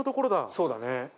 そうだね。